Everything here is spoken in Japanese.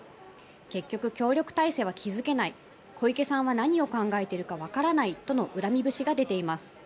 結局、協力体制は築けない小池さんは何を考えているかわからないとの恨み節が出ています。